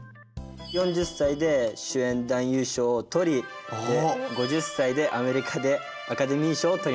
４０歳で主演男優賞を取りで５０歳でアメリカでアカデミー賞を取ります。